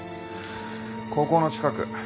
高校の近く。